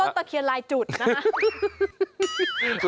ต้นตะเคียนลายจุดนะฮะ